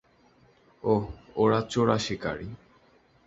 ওহ, ওরা চোরাশিকারি।